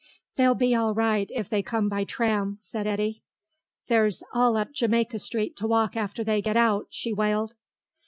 "They'll be all right if they come by tram," said Eddy. "There's all up Jamaica Street to walk after they get out," she wailed.